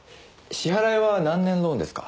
支払いは何年ローンですか？